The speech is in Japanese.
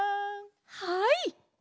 はい！